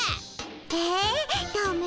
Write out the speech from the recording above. えっダメ？